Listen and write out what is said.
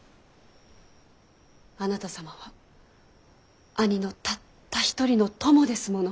あなた様は兄のたった一人の友ですもの。